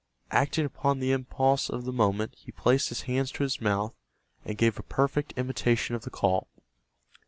Acting upon the impulse of the moment he placed his hands to his mouth, and gave a perfect imitation of the call.